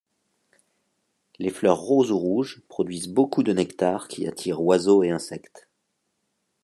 Les fleurs roses ou rouges produisent beaucoup de nectar qui attire oiseaux et insectes.